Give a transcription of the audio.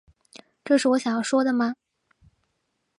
这是我想要说的吗